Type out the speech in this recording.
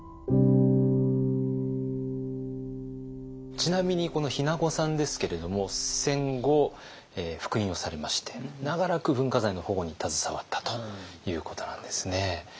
ちなみにこの日名子さんですけれども戦後復員をされまして長らく文化財の保護に携わったということなんですね。